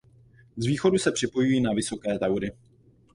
Z východu se připojují na Vysoké Taury.